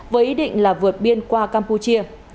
với ý định là vượt biên qua campuchia